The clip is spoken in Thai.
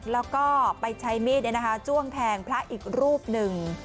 แล้วก็ไปใช้มีดจ้วงแทงพระอีกรูปหนึ่ง